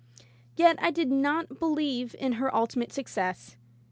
Yet I did not believe in her ultimate success.